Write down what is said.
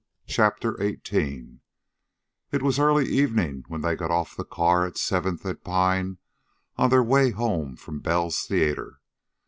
CHAPTER XVIII It was early evening when they got off the car at Seventh and Pine on their way home from Bell's Theater.